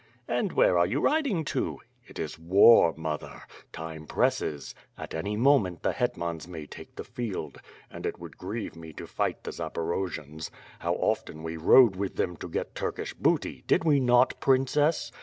"And where are you riding to?" "It is war mother! Time presses. At any moment, the Hetmans may take the field; and it would grieve me to fight the Zaporojians. How often we rode with them to get Tur kish booty — did we not, princess?